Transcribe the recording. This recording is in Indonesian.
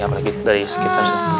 apalagi dari sekitar sini